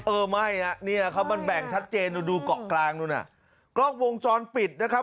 เจอไหมนี่แหละครับมันแบ่งชัดเจนดูดูเกาะกลางดูน่ะกล้องวงจรปิดนะครับ